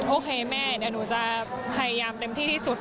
โอเคแม่จะพยายามเต็มที่ที่สุด